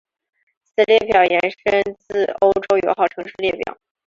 此列表延伸自欧洲友好城市列表。